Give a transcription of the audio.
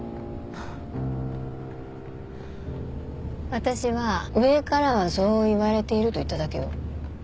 私は上からはそう言われていると言っただけよ。